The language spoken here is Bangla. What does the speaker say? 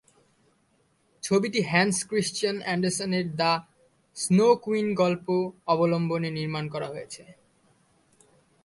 ছবিটি হ্যান্স ক্রিশ্চিয়ান অ্যান্ডারসনের দ্য স্নো কুইন গল্প অবলম্বনে নির্মাণ করা হয়েছে।